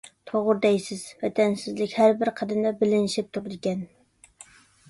توغرا دەيسىز. ۋەتەنسىزلىك ھەربىر قەدەمدە بىلىنىشىپ تۇرىدىكەن.